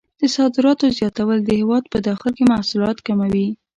د صادراتو زیاتول د هېواد په داخل کې محصولات کموي.